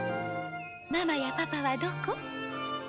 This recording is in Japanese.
ママやパパはどこ？